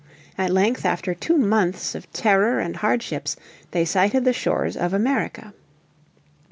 At length after two months of terror and hardships they sighted the shores of America.